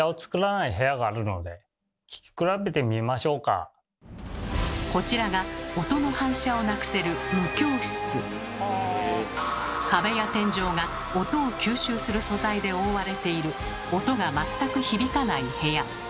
仮にこちらが音の反射をなくせる壁や天井が音を吸収する素材で覆われている音が全く響かない部屋。